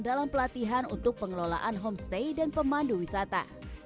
dalam pelatihan untuk pengelolaan homestay dan pemandu wisata